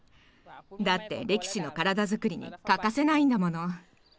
だって力士の体づくりに欠かせないんだもの。